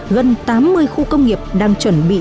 gần tám mươi khu công nghiệp đang chuẩn bị